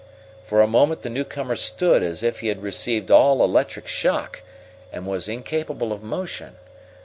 For a moment the newcomer stood as if he had received all electric shock, and was incapable of motion.